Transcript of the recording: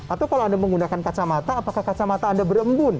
atau kalau anda menggunakan kacamata apakah kacamata anda berembun